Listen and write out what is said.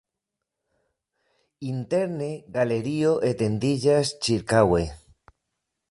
Interne galerio etendiĝas ĉirkaŭe.